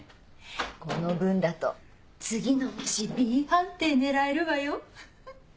この分だと次の模試Ｂ判定狙えるわよ。